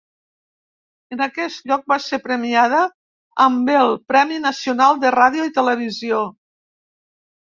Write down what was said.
En aquest lloc va ser premiada amb el Premi Nacional de Ràdio i Televisió.